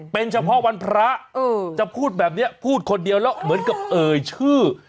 เป็นเฉพาะวันพระจะพูดแบบนี้พูดคนเดียวแล้วเหมือนกับเอ่ยชื่อ